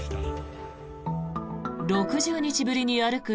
６０日ぶりに歩く